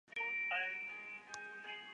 就开始等放假啦